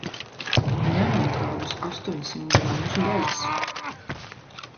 Ņemam kādus astoņsimt gramus gaļas.